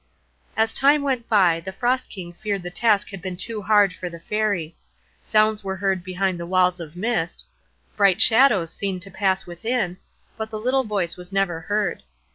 As time went by, the Frost King feared the task had been too hard for the Fairy; sounds were heard behind the walls of mist, bright shadows seen to pass within, but the little voice was never heard.